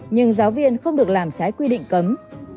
nhưng giáo viên không được làm trái quy định cấm